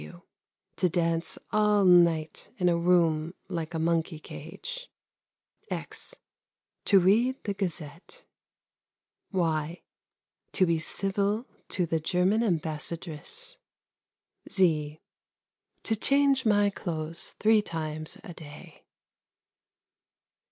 (w) To dance all night in a room like a monkey cage. (x) To read the Gazette. (y) To be civil to the German Ambassadress. (z) To change my clothes three times a day.